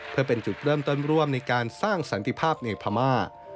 เพื่อเป็นจุดเริ่มต้นร่วมในการสร้างสันติภาพในพม่า